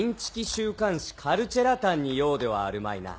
週刊紙カルチェラタンに用ではあるまいな。